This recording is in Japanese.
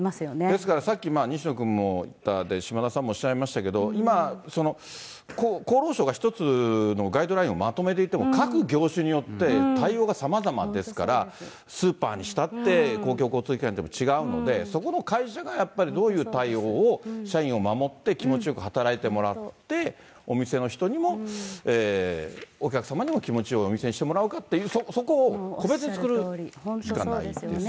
ですからさっき西野君も言った、島田さんもおっしゃいましたけれども、今、その厚労省が一つのガイドラインをまとめていて、各業種によって、対応がさまざまですから、スーパーにしたって、公共交通機関によっても違うので、そこの会社がやっぱりどういう対応を、社員を守って、気持ちよく働いてもらって、お店の人にもお客様にも気持ちよいお店にしてもらうかっていう、そこを個別に作るしかないですよね。